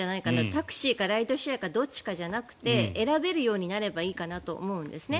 タクシーかライドシェアかどっちかじゃなくて選べるようになればいいかなと思うんですね。